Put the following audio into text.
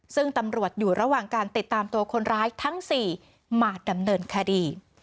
ซึ่งตำรวจอยู่ระหว่างการติดตามตัวคนร้ายทั้ง๔มาดำเนินคดี